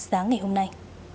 sáng ngày hôm nay